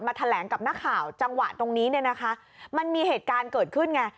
แถลงกับนักข่าวจังหวะตรงนี้เนี่ยนะคะมันมีเหตุการณ์เกิดขึ้นไง